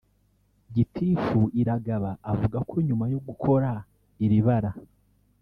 Gitifu Iragaba avuga ko nyuma yo gukora iri bara